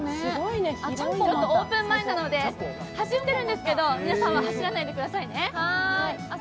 オープン前なので走っているんですけど、皆さんは走らないでくださいね。